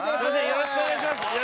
よろしくお願いします。